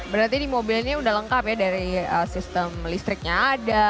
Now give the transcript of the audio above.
berarti ini mobilnya udah lengkap ya dari sistem listriknya ada